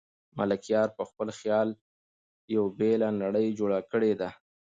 ملکیار په خپل خیال یوه بېله نړۍ جوړه کړې ده.